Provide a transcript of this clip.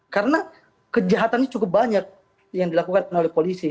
karena kejahatannya cukup banyak yang dilakukan oleh polisi